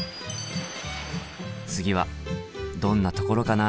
次はどんなところかな。